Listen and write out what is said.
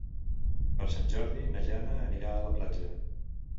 Per Sant Jordi na Jana anirà a la platja.